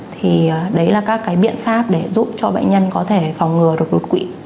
thì đấy là các cái biện pháp để giúp cho bệnh nhân có thể phòng ngừa đột quỵ